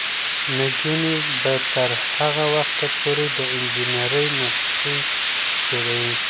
نجونې به تر هغه وخته پورې د انجینرۍ نقشې جوړوي.